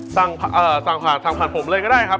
สั่งผัดผมเลยก็ได้ครับ